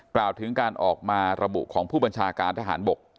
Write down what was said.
กล่าวถึงการออกมาระบุของผู้บัญชาการทหารบก